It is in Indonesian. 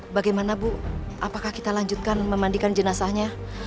bagaimana bu apakah kita lanjutkan memandikan jenazahnya